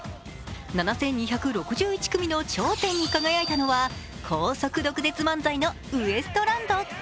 ７２６１組の頂点に輝いたのは高速毒舌漫才のウエストランド。